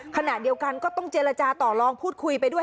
ขณะเดียวกันก็ต้องเจรจาต่อลองพูดคุยไปด้วย